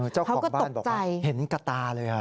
เจ้าของบ้านบอกว่าเห็นกระตาเลย